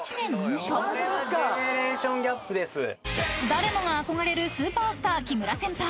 ［誰もが憧れるスーパースター木村先輩］